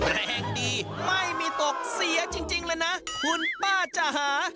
แรงดีไม่มีตกเสียจริงเลยนะคุณป้าจะหา